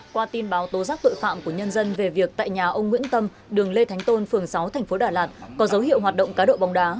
qua tin báo tố giác tội phạm của nhân dân về việc tại nhà ông nguyễn tâm đường lê thánh tôn phường sáu tp đà lạt có dấu hiệu hoạt động cá độ bóng đá